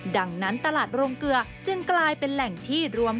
ดังนั้นตลาดโรงเกลือจึงกลายเป็นแหล่งที่รวม